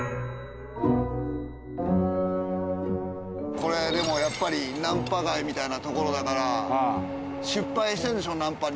これでもやっぱりナンパ街みたいな所だから失敗してんでしょナンパに。